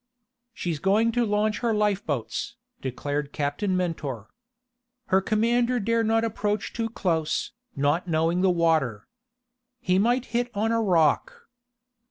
"She's going to launch her lifeboats," declared Captain Mentor. "Her commander dare not approach too close, not knowing the water. He might hit on a rock."